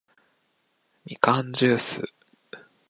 みかんじゅーす